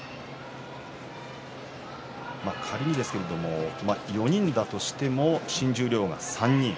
仮にですけれども４人だとしても新十両が３人。